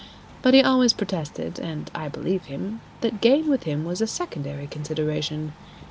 But he always protested (and I believed him) that gain with him was a secondary consideration.